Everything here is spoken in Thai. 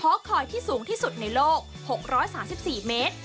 คอยที่สูงที่สุดในโลก๖๓๔เมตร